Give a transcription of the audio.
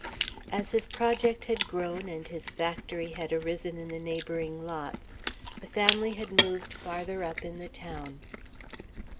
As his project had grown and his factory had arisen in the neighbouring lots, the family had moved farther up in the town.